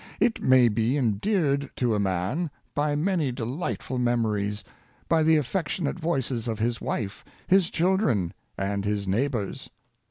It may be endeared to a man by many delightful memories — by the affectionate voices of his wife, his children and his neighbors.